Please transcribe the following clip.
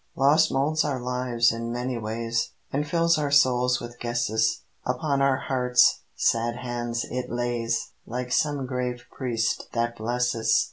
Loss molds our lives in many ways, And fills our souls with guesses; Upon our hearts sad hands it lays Like some grave priest that blesses.